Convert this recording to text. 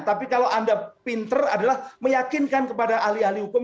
tapi kalau anda pinter adalah meyakinkan kepada ahli ahli hukum